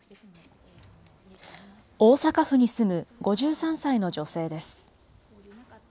大阪府に住む５３歳の女性です。